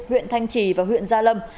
huyện thanh trì và huyện gia lâm